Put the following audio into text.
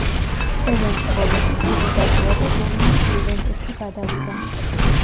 სეზონის ბოლოს კი კლუბი დატოვა და ტურინის „იუვენტუსში“ გადავიდა.